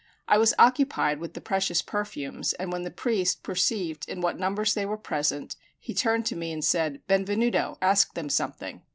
I was occupied with the precious perfumes, and when the priest perceived in what numbers they were present he turned to me and said, "Benvenuto, ask them something."